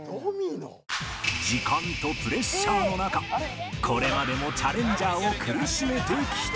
時間とプレッシャーの中これまでもチャレンジャーを苦しめてきた